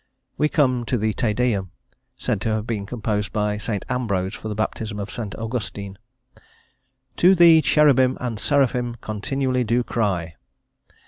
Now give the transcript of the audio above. We come to the Te Deum, said to have been composed by S. Ambrose for the baptism of S. Augustine: "To thee cherubin and seraphin continually do cry."